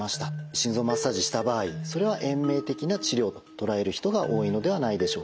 心臓マッサージした場合それは延命的な治療と捉える人が多いのではないでしょうか。